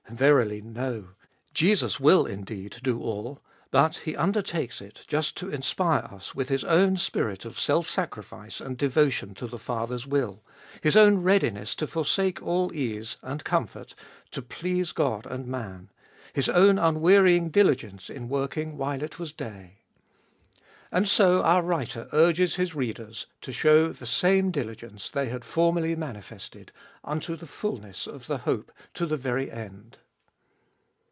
Verily no. Jesus will indeed do all ; but he undertakes it, just to inspire us with His own spirit of self sacrifice and devotion to the Father's will, His own readiness to forsake all ease and comfort to please God and man, His own unwearying diligence in working while it was tboltest ot BIl 213 day. And so our writer urges his readers to show the same diligence they had formerly manifested, unto the fulness of the hope to the very end.